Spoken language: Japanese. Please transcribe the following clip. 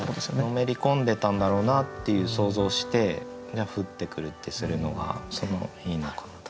のめり込んでたんだろうなっていう想像をして「降ってくる」ってするのがいいのかなと。